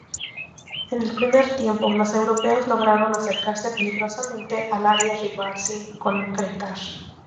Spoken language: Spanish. En el primer tiempo, los europeos lograron acercarse peligrosamente al área rival sin concretar.